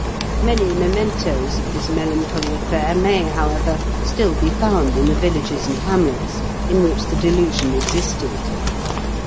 Many mementoes of this melancholy affair may, however, still be found in the villages and hamlets in which the delusion existed.